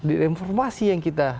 informasi yang kita